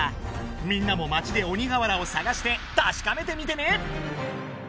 みんなも町で鬼瓦をさがしてたしかめてみてね！